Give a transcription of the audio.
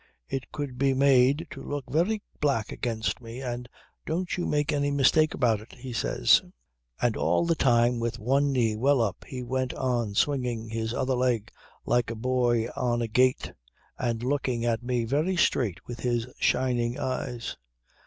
It could be made to look very black against me and don't you make any mistake about it," he says. "And all the time with one knee well up he went on swinging his other leg like a boy on a gate and looking at me very straight with his shining eyes.